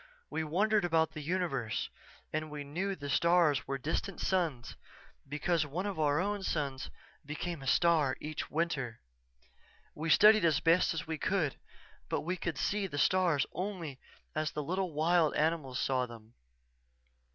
We wondered about the universe and we knew the stars were distant suns because one of our own suns became a star each winter. We studied as best we could but we could see the stars only as the little wild animals saw them.